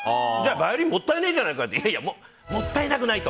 バイオリンもったいないじゃねえかっていやいやもったいなくないと。